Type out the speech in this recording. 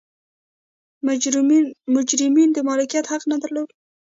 مجرمینو د مالکیت حق نه درلود.